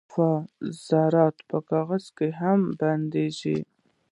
د الفا ذرات په کاغذ هم بندېږي.